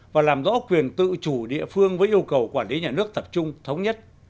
và làm rõ quyền tự chủ địa phương với yêu cầu quản lý nhà nước tập trung thống nhất